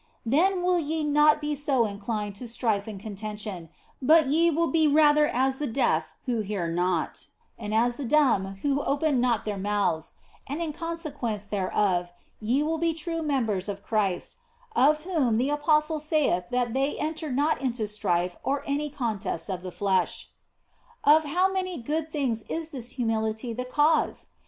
Then will ye not be so inclined OF FOLIGNO 115 to strife and contention, but ye will be rather as the deaf who hear not, and as the dumb who open not their mouths, and in consequence thereof ye will be true members of Christ, of whom the apostle saith that they enter not into strife or any contest of the flesh. Of how many good things is this humility the cause